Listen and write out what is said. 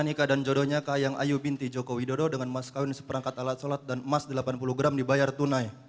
dan ikatan jodohnya kayang ayu binti joko widodo dengan emas kawin seperangkat alat sholat dan emas delapan puluh gram dibayar tunai